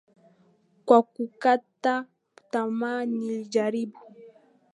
Kwa kukata tamaa nilijaribu.